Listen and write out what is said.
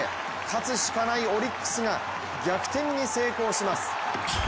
勝つしかないオリックスが逆転に成功します。